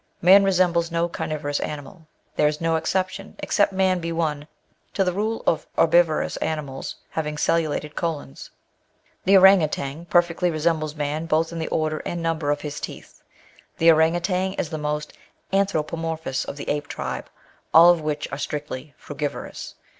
Man resembles no carnivorous animal. There is no exertion, except man be one, to the rule of herbivorous animalB having cellulated colons. The orang outang perfectly resembks man both in the order and number of his teeth. The orang outang is the most anthropomorphous of the ape tribe, all of which are strictly frugivorous.